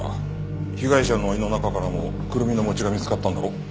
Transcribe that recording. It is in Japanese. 被害者の胃の中からもクルミの餅が見つかったんだろ？